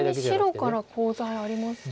逆に白からコウ材ありますか？